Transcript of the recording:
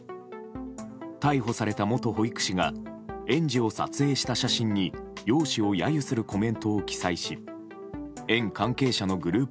逮捕された元保育士が園児を撮影した写真に容姿を揶揄するコメントを記載し園関係者のグループ